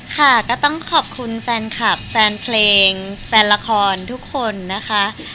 ค่ะก็ต้องขอบคุณแฟนคลับแฟนเพลงแฟนละครทุกคนนะคะ